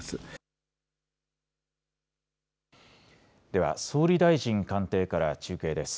では総理大臣官邸から中継です。